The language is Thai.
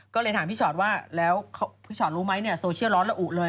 ก็เลยถามพี่ชอตว่าแล้วพี่ชอตรู้ไหมเนี่ยโซเชียลร้อนละอุเลย